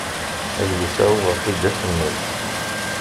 Adlis-a uɣeɣ-t-id ass-nni.